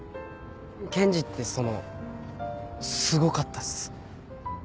検事ってそのすごかったっす。